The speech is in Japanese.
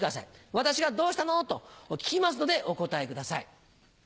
私が「どうしたの？」と聞きますのでお答えください。